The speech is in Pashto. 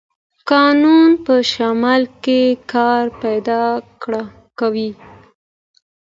کانونه په شمال کې کار پیدا کوي.